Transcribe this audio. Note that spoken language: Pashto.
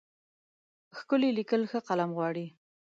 ښکلي لیکل ښه قلم غواړي.